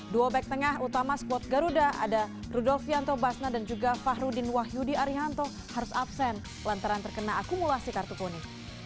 duo back tengah utama squad garuda ada rudolf janto basna dan juga fahruddin wahyudi arihanto harus absen lantaran terkena akumulasi kartu poni